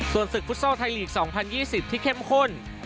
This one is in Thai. ส่วนศึกฟุตซอลไทยลีก๒๐๒๐ที่เข้มข้น